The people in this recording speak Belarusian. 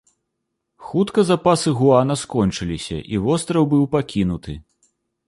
Хутка запасы гуана скончыліся, і востраў быў пакінуты.